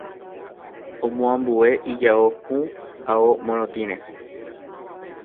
Omoambue ijao hũ ao morotĩre